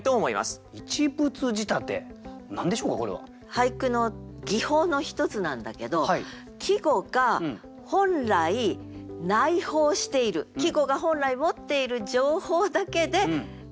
俳句の技法の一つなんだけど季語が本来内包している季語が本来持っている情報だけで一句を詠む。